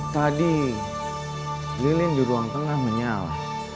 tadi lilin di ruang tengah menyala